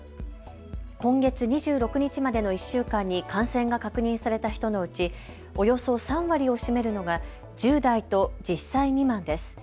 今月２６日までの１週間に感染が確認された人のうちおよそ３割を占めるのが１０代と１０歳未満です。